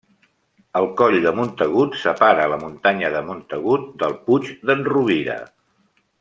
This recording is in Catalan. El coll de Montagut separa la muntanya de Montagut del Puig d'en Rovira.